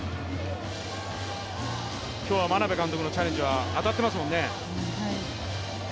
今日は眞鍋監督のチャレンジ、当たってますもんね。